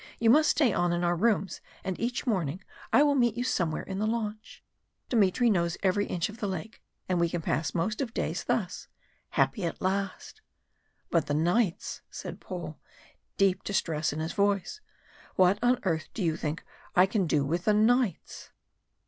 You must stay on in our rooms and each morning I will meet you somewhere in the launch. Dmitry knows every inch of the lake, and we can pass most of days thus, happy at last " "But the nights!" said Paul, deep distress in his voice. "What on earth do you think I can do with the nights?"